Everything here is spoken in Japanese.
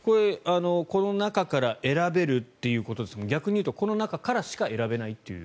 この中から選べるということですけど逆に言うとこの中からしか選べないという。